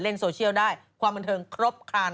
โซเชียลได้ความบันเทิงครบคลาน